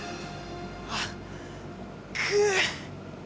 あっくう。